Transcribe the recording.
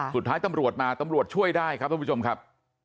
สุดท้ายตำรวจมาตำรวจช่วยได้ครับท่านผู้ชมครับ